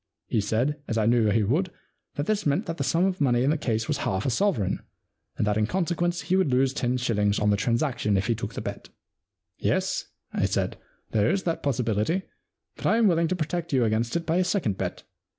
He said, as I knew he would, that this meant that the sum of money in the case was half a sovereign, and that in consequence he would lose ten shillings on the transaction if he took the bet. * Yes,'* I said, " there is that possibility, but I am willing to protect you against it by a second bet.